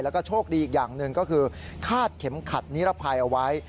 แล้วก็โชคดีอีกอย่างหนึ่งก็คือคาดเข็มขัดนิรภัยเอาไว้